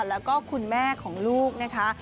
แล้วก็คุณแม่ของลูกนะคะ